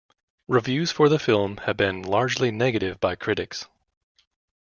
Reviews for the film have been largely negative by critics.